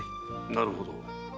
なるほど。